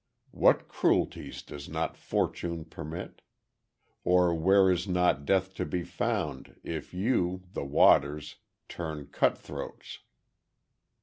What cruelties does not Fortune permit? Or where is not death to be found, if you, the waters, turn cut throats.